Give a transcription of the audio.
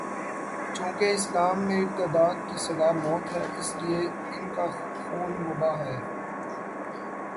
چونکہ اسلام میں ارتداد کی سزا موت ہے، اس لیے ان کا خون مباح ہے۔